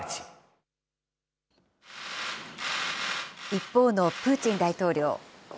一方のプーチン大統領。